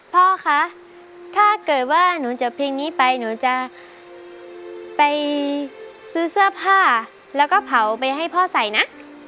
พ่อคะถ้าเกิดว่าหนูจบเพลงนี้ไปหนูจะไปซื้อเสื้อผ้าแล้วก็เผาไปให้พ่อใส่นะ